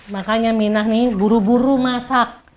makanya minah nih buru buru masak